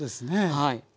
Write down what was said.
はい。